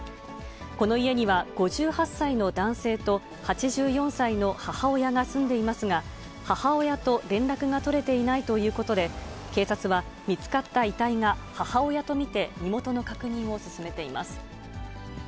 この家には５８歳の男性と８４歳の母親が住んでいますが、母親と連絡が取れていないということで、警察は、見つかった遺体が母親と見て、身元の確認を進めています。